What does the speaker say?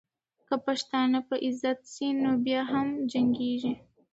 که پښتانه په عذاب سي، نو بیا هم جنګېږي.